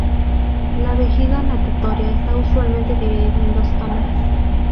La vejiga natatoria esta usualmente dividida en dos cámaras.